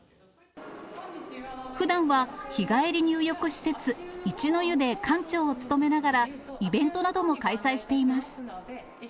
ふだんは日帰り入浴施設、一ノ湯で館長を務めながら、イベントなども開催しています。